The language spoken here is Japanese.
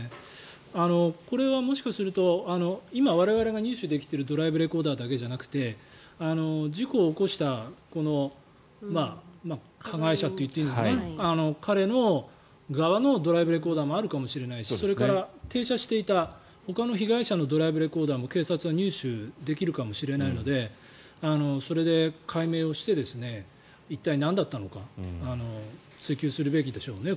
これはもしかすると今、我々が入手できているドライブレコーダーだけではなくて事故を起こした加害者といっていいのかな彼の側のドライブレコーダーもあるかもしれないしそれから、停車していたほかの被害者のドライブレコーダーも警察は入手できるかもしれないのでそれで解明をして一体なんだったのか追及するべきでしょうね。